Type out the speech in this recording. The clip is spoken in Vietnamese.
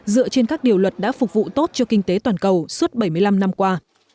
dựa trên các điều luật đã phục vụ tốt cho kinh tế toàn cầu suốt bảy mươi năm năm qua